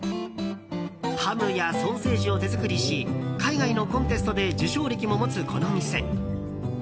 ハムやソーセージを手作りし海外のコンテストで受賞歴も持つこのお店。